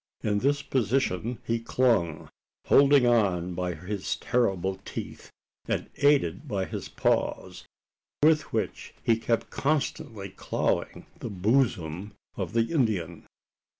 In this position he clung holding on by his terrible teeth, and aided by his paws, with which he kept constantly clawing the bosom of the Indian!